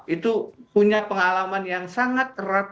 itu punya pengalaman yang sangat erat